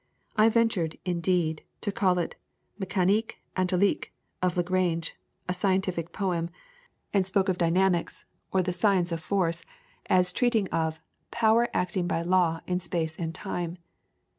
I ventured, indeed, to call it the 'Mecanique Analytique' of Lagrange, 'a scientific poem'; and spoke of Dynamics, or the Science of Force, as treating of 'Power acting by Law in Space and Time.'